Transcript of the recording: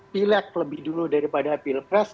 pilek lebih dulu daripada pilpres